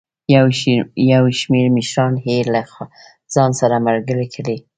یو شمېر مشران یې له ځان سره ملګري کړي.